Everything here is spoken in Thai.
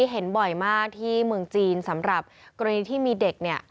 เห็นบ่อยมากที่เมืองจีนสำหรับกรณีที่มีเด็กเนี่ย